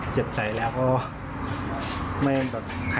เจ็บใจแล้วก็